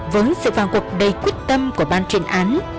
với sự vào cuộc đầy quyết tâm của ban truyền án